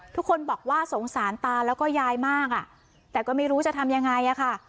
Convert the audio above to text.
ทุกคนบอกว่าสงสารตาแล้วก็ยายมากอ่ะแต่ก็ไม่รู้จะทำยังไงอะค่ะ